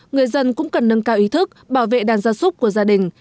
người dân cũng cần nâng cao ý thức bảo vệ đàn gia súc của gia đình